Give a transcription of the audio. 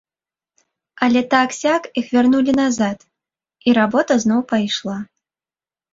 Але так-сяк іх вярнулі назад, і работа зноў пайшла.